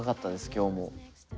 今日も。